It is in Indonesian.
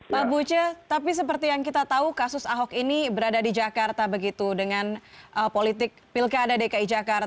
pak buce tapi seperti yang kita tahu kasus ahok ini berada di jakarta begitu dengan politik pilkada dki jakarta